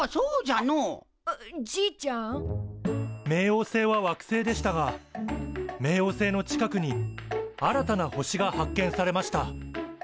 冥王星は惑星でしたが冥王星の近くに新たな星が発見されました。